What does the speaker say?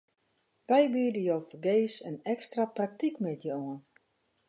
Wy biede jo fergees in ekstra praktykmiddei oan.